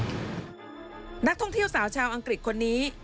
นักท่องเที่ยวสาวชาวอังกฤษคนนี้